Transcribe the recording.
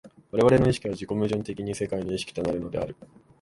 我々の意識は自己矛盾的に世界の意識となるのである。